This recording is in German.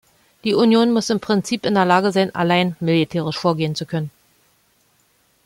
Die Union muss im Prinzip in der Lage sein, allein militärisch vorgehen zu können.